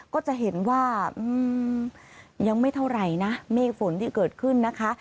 ก็จะเห็นว่ายังไม่เท่าไหร่นะเมฆฝนที่เกิดขึ้นนะคะ